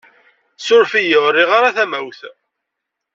Suref-iyi! Ur rriɣ ara tamawt.